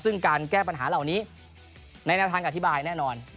ซึ่งแก้ปัญหาเหล่านี้ในหน้าทางการอธิบายแน่นอน